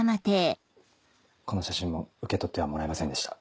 この写真も受け取ってはもらえませんでした。